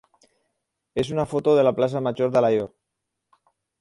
és una foto de la plaça major d'Alaior.